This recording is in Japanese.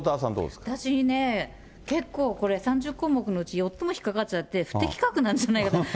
私ね、結構これ、３０項目のうち４つも引っかかっちゃって、不適格なんじゃないかと。